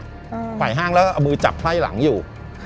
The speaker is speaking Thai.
ไขว่ห้างแล้วก็เอามือจับไพ่หลังอยู่